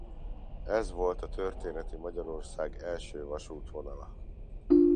Ez volt a történeti Magyarország első vasútvonala.